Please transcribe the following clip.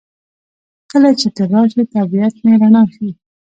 کله چې ته راشې طبیعت مې رڼا شي.